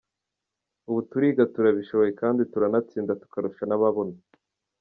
Ubu turiga turabishoboye kandi turanatsinda tukarusha n’ababona.